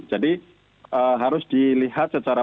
jadi harus dilihat secara